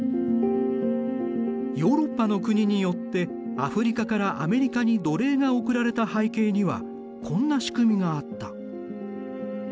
ヨーロッパの国によってアフリカからアメリカに奴隷が送られた背景にはこんな仕組みがあった。